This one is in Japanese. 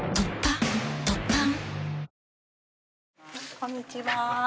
こんにちは。